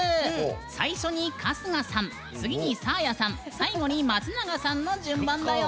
最初に春日さん、次にサーヤさん最後に松永さんの順番だよ。